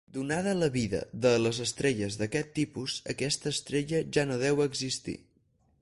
Donada la vida de les estrelles d'aquest tipus, aquesta estrella ja no deu existir.